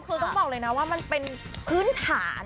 คือต้องบอกเลยนะว่ามันเป็นพื้นฐาน